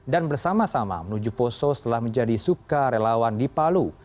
dan bersama sama menuju poso setelah menjadi subka relawan di palu